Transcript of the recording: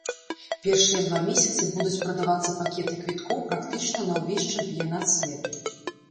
Першыя два месяцы будуць прадавацца пакеты квіткоў практычна на ўвесь чэмпіянат свету.